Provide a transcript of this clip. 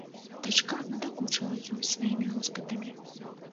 Дачка надакучала ёй сваімі роспытамі.